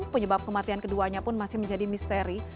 penyebab kematian keduanya pun masih menjadi misteri